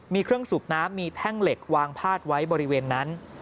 มีเครื่องสูบน้ำมีแท่งเหล็กวางพาดไว้บริเวณนั้น